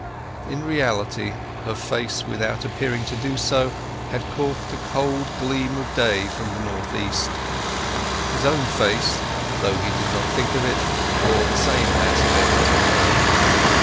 In reality her face, without appearing to do so, had caught the cold gleam of day from the north east; his own face, though he did not think of it, wore the same aspect to her.